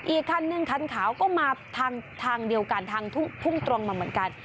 อีกคันนึงคันขาวก็มาทางเดียวกันทางพุ่งตรงมาเหมือนกัน